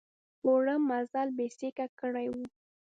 اوږده مزل بېسېکه کړی و.